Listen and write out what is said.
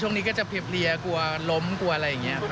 ช่วงนี้ก็จะเพลียกลัวล้มกลัวอะไรอย่างนี้ครับ